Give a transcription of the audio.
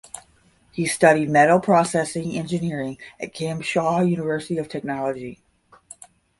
He studied metal processing engineering at Kim Chaek University of Technology.